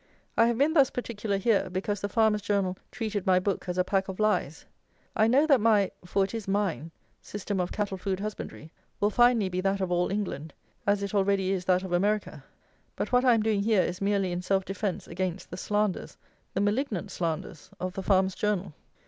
I have been thus particular here, because the Farmer's Journal treated my book as a pack of lies. I know that my (for it is mine) system of cattle food husbandry will finally be that of all England, as it already is that of America; but what I am doing here is merely in self defence against the slanders, the malignant slanders, of the Farmer's Journal.